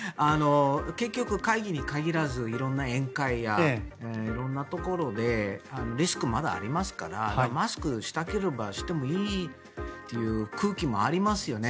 結局、会議に限らず色んな宴会や色んなところでリスクはまだありますからマスクしたければしてもいいという空気もありますよね。